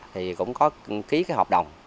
thì cũng có ký cái hợp đồng